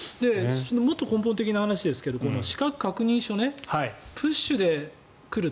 もっと根本的な話ですが資格確認書、プッシュで来ると。